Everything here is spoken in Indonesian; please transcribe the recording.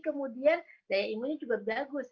kemudian daya imunnya juga bagus